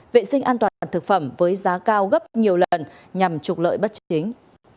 vệ sinh an toàn thực phẩm với giá cao gấp nhiều lần nhằm trục lợi bất chính